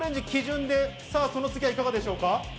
その次は、いかがでしょうか？